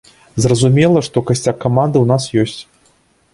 Зразумела, што касцяк каманды ў нас ёсць.